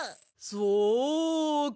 そうか。